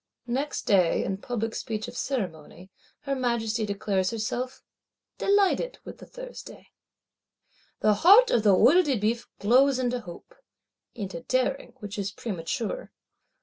Next day, in public speech of ceremony, her Majesty declares herself "delighted with the Thursday." The heart of the Œil de Bœuf glows into hope; into daring, which is premature.